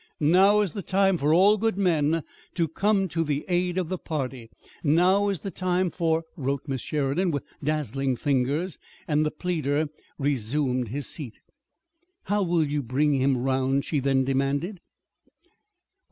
"'Now is the time for all good men to come to the aid of the party. Now is the time for' " wrote Miss Sheridan with dazzling fingers, and the pleader resumed his seat. "How will you bring him 'round," she then demanded.